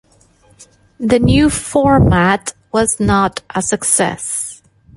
The new format was not a success.